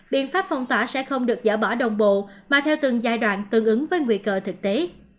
biện pháp phong tỏa sẽ không được dỡ bỏ đồng bộ mà theo từng giai đoạn tương ứng với nguy cơ thực tế